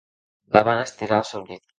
La van estirar al seu llit.